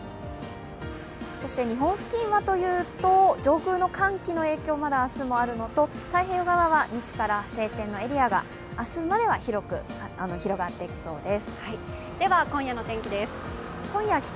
そして日本付近はというと、上空の寒気の影響、まだ明日もあるのと、太平洋側は西から晴天のエリアが明日までは広く広がっていきそうです。